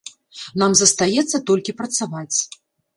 Нам застаецца толькі працаваць.